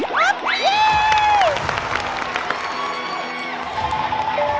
ตอนก่อนเอง